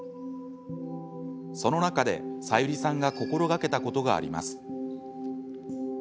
その中で、サユリさんが心がけたことがあります。